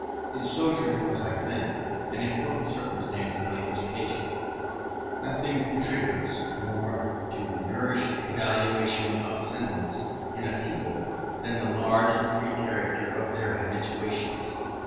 This sojourn was, I think, an important circumstance in my education. Nothing contributes more to nourish elevation of sentiments in a people, than the large and free character of their habitations.